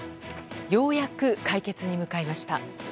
ようやく解決に向かいました。